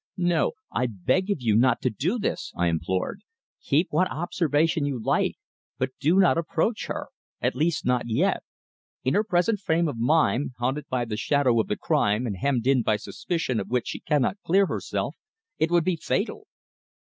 "No. I beg of you not to do this," I implored. "Keep what observation you like, but do not approach her at least, not yet. In her present frame of mind, haunted by the shadow of the crime and hemmed in by suspicion of which she cannot clear herself, it would be fatal."